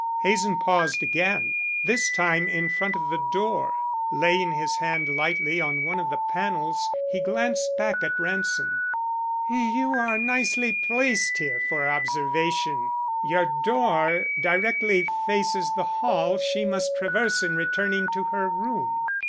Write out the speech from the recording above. Hazen paused again, this time in front of the door. Laying his hand lightly on one of the panels, he glanced back at Ransom. "You are nicely placed here for observation. Your door directly faces the hall she must traverse in returning to her room."